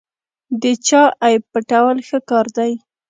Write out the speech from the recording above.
د چا عیب پټول ښه کار دی.